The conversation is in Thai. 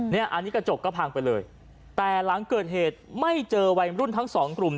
เนี่ยอันนี้กระจกก็พังไปเลยแต่หลังเกิดเหตุไม่เจอวัยรุ่นทั้งสองกลุ่ม